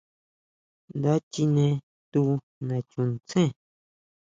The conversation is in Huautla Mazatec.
Nda chine tu nachuntsén.